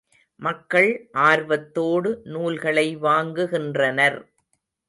மக்கள் ஆர்வத்தோடு நூல்களை வாங்குகின்றனர்.